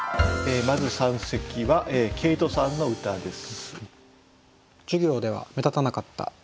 まず三席は毛糸さんの歌です。